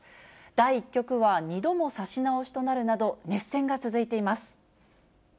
第１局は２度も指し直しとなるなど、熱戦が続いています。